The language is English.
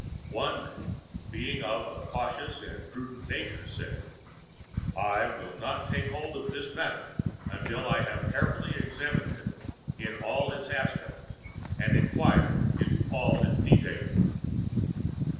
One Man, being of a Cautious and Prudent Nature, said: "I will not Take Hold of this Matter until I have Carefully Examined it in All its Aspects and Inquired into All its Details."